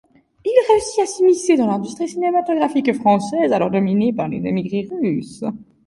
Il réussit à s'immiscer dans l'industrie cinématographique française, alors dominée par les émigrés russes.